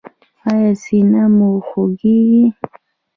ایا سینه مو خوږیږي؟